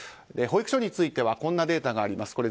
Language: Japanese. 保育所についてはこんなデータがあります。